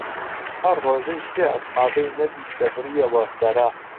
هەر ڕوژەی سێ ئەسحابەی نەبی دەبڕیەوە سەرە